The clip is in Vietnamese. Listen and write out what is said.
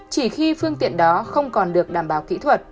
chỉ khi phương tiện đó không còn được đảm bảo kỹ thuật